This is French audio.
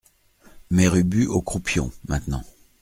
Mère Ubu Aux croupions, maintenant.